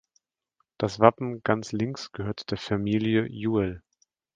Das Wappen ganz links gehört der Familie Juel.